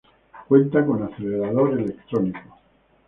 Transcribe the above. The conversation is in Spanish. Cuenta con acelerador electrónico.